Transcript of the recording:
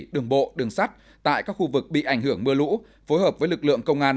đường bộ đường sắt tại các khu vực bị ảnh hưởng mưa lũ phối hợp với lực lượng công an